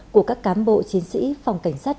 của các cám bộ chiến sĩ phòng cảnh sát